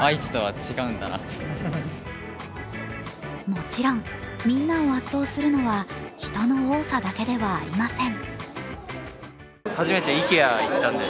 もちろん、みんなを圧倒するのは人の多さだけではありません。